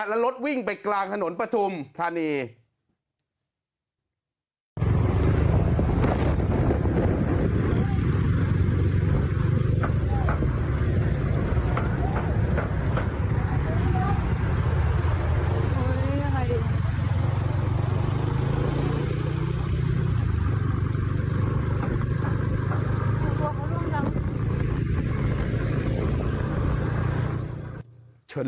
แล้วรถวิ่งไปกลางถนนประทุมคันนี้